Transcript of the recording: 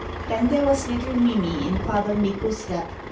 Then there was little Mimi in Father Mikko's lap.